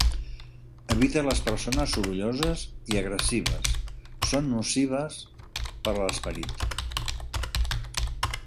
Evita les persones sorolloses i agressives, són nocives per a l'esperit.